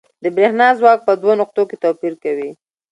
د برېښنا ځواک په دوو نقطو کې توپیر کوي.